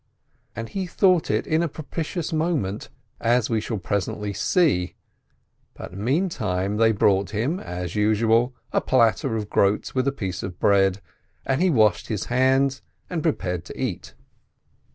And he thought it in a propitious moment, as we shall presently see, but meantime they brought him, as usual, a platter of groats with a piece of bread, and he washed his hands, and prepared to eat.